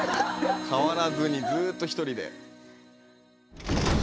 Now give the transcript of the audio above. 変わらずにずっと１人で。